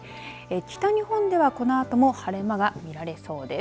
北日本ではこのあとも晴れ間が見られそうです。